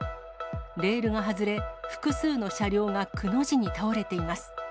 レールが外れ、複数の車両がくの字に倒れています。